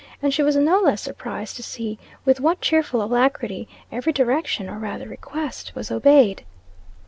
And she was no less surprised to see with what cheerful alacrity every direction, or rather request, was obeyed.